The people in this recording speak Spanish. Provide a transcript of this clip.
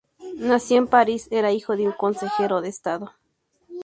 Nacido en París, era hijo de un consejero de Estado.